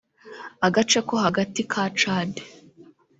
agace ko hagati ka Chad